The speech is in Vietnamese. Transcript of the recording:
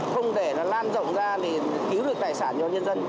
không để nó lan rộng ra thì cứu được tài sản cho nhân dân